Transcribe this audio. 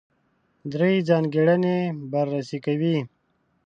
درې ځانګړنې بررسي کوي.